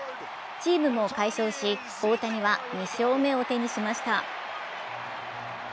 チームも快勝し、大谷は２勝目を手にしました。